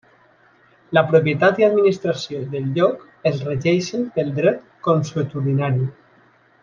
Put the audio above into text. La propietat i administració del lloc es regeixen pel dret consuetudinari.